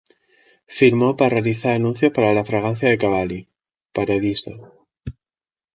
Firmó para realizar anuncios para la fragancia de Cavalli, ‘Paradiso’.